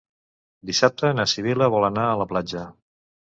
Dissabte na Sibil·la vol anar a la platja.